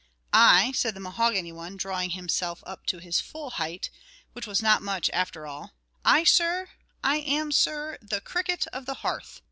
"I," said the mahogany one, drawing himself up to his full height, which was not much after all "I, sir I am, sir, the cricket of the hearth, sir!